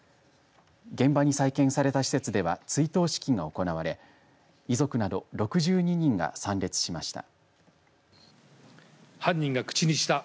現場に再建された施設では追悼式が行われ遺族など６２人が参列しました。